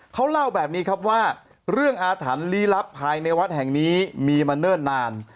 เขาเล่าแบบนี้ครับว่าเรื่องอาถรรพ์ลี้ลับภายในวัดแห่งนี้มีมาเนิ่นนาน